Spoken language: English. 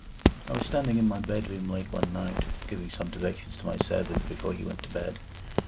I was standing in my bedroom late one night, giving some directions to my servant before he went to bed.